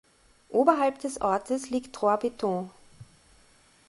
Oberhalb des Ortes liegt Trois Pitons.